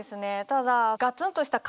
ただガツンとした